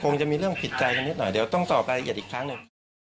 ก็คงจะมีเรื่องผิดใจกันนิดหน่อยเดี๋ยวต้องต่อไปอีกครั้งหนึ่ง